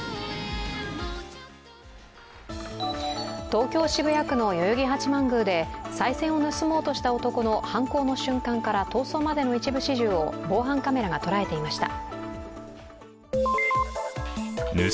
東京・渋谷区の代々木八幡宮でさい銭を盗もうとした男の犯行の瞬間から逃走までの一部始終を防犯カメラが捉えていました。